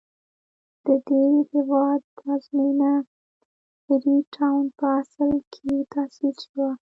د دې هېواد پلازمېنه فري ټاون په اصل کې تاسیس شوه.